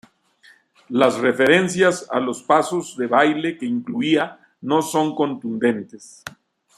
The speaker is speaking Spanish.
Las referencias a los pasos de baile que incluía no son contundentes.